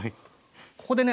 ここでね